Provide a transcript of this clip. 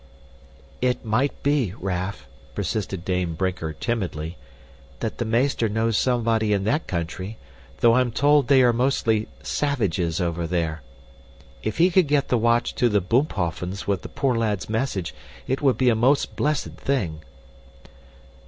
"It might be, Raff," persisted Dame Brinker timidly, "that the meester knows somebody in that country, though I'm told they are mostly savages over there. If he could get the watch to the Boomphoffens with the poor lad's message, it would be a most blessed thing."